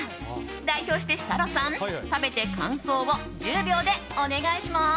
代表して設楽さん、食べて感想を１０秒でお願いします。